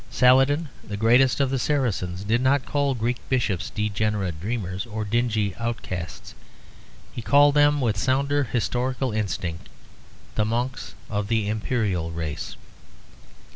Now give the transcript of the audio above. Saladin, the greatest of the Saracens, did not call Greek bishops degenerate dreamers or dingy outcasts, he called them, with a sounder historical instinct, "The monks of the imperial race."